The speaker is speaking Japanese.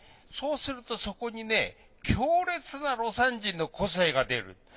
そうするとそこにね強烈な魯山人の個性が出る。